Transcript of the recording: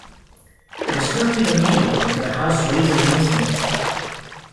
It is currently the meeting room for the House Ways and Means Committee.